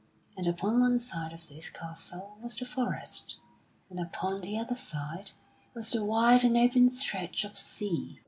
And upon one side of this castle was the forest, and upon the other side was the wide and open stretch of sea.